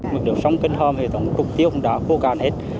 mực đường sông kinh hòa hệ thống trục tiêu cũng đã khô càn hết